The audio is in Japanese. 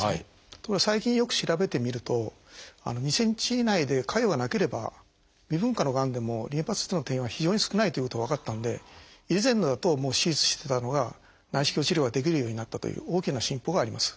ところが最近よく調べてみると２ｃｍ以内で潰瘍がなければ未分化のがんでもリンパ節への転移は非常に少ないということが分かったんで以前だと手術してたのが内視鏡治療ができるようになったという大きな進歩があります。